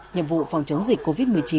nhiệm vụ phòng chống dịch covid một mươi chín